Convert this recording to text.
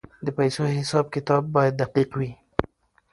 د پیسو حساب کتاب باید دقیق وي.